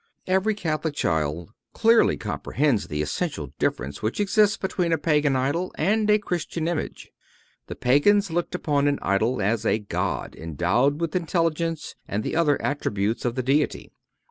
(274) Every Catholic child clearly comprehends the essential difference which exists between a Pagan idol and a Christian image. The Pagans looked upon an idol as a god endowed with intelligence and the other attributes of the Deity.